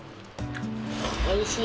おいしい。